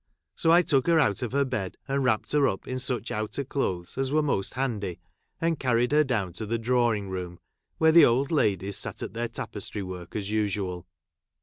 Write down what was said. So, I took her out of her bed and wrapped her up in sucb outer clothes as were most handy, and carried her down to the di awing room, where the old ladies sat at their tapestry work as usual.